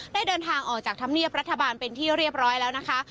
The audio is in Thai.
ได้เดินทางออกจากธรรมเนียบรัฐบาลเป็นที่เรียบร้อยแล้วนะคะ